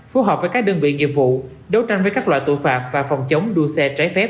phù hợp với các đơn vị nghiệp vụ đấu tranh với các loại tội phạm và phòng chống đua xe trái phép